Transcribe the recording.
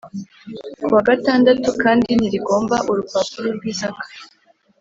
Kuwa gatandatu kandi ntirigomba urupapuro rw isaka